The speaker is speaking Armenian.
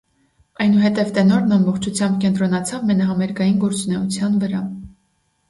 Այնուհետև տենորն ամբողջությամբ կենտրոնացավ մենահամերգային գործունեության վրա։